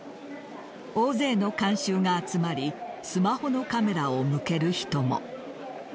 大勢の観衆が集まりスマホのカメラを向ける人も。